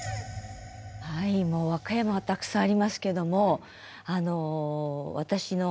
もう和歌山はたくさんありますけども。